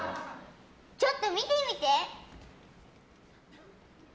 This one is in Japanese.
ちょっと見てみて！